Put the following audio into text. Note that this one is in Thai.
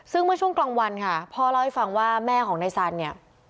ซึ่งเมื่อช่วงกลางวันค่ะพ่อเล่าให้ฟังว่าแม่ของนายสันเนี่ย